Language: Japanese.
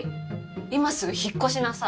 今すぐ引っ越しなさい。